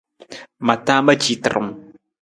Ma taa ma ci tarung.